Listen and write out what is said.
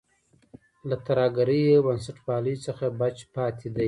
له ترهګرۍ او بنسټپالۍ څخه بچ پاتې دی.